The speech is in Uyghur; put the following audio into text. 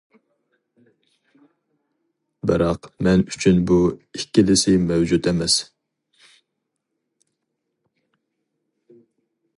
بىراق مەن ئۈچۈن بۇ ئىككىلىسى مەۋجۇت ئەمەس.